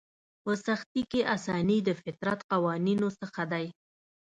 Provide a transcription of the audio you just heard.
په سختي کې اساني د فطرت قوانینو څخه دی.